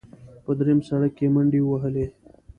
په درېیم سړک کې منډې ووهلې.